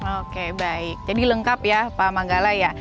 oke baik jadi lengkap ya pak manggala ya